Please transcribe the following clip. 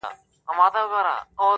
-په دربار چي د سلطان سو ور دننه،